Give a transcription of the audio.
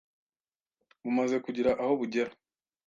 bumaze kugira aho bugera